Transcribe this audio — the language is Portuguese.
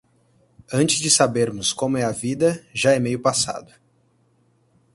Antes de sabermos como é a vida, já é meio passado.